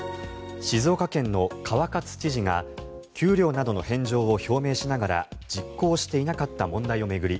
静岡県の川勝知事が給料などの返上を表明しながら実行していなかった問題を巡り